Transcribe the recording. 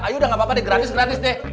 ayo udah gak apa apa deh gratis gratis deh